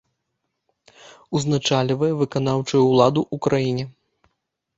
Узначальвае выканаўчую ўладу ў краіне.